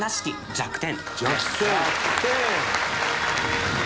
弱点？